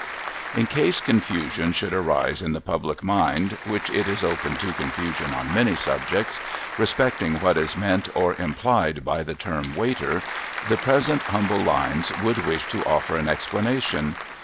In case confusion should arise in the public mind (which it is open to confusion on many subjects) respecting what is meant or implied by the term Waiter, the present humble lines would wish to offer an explanation.